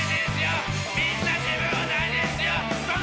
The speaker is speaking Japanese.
みんな自分を大事にしよう！